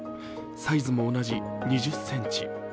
サイズも同じ、２０ｃｍ。